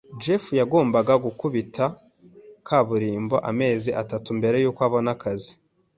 Jeff yagombaga gukubita kaburimbo amezi atatu mbere yuko abona akazi.